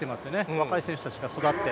若い選手たちが育って。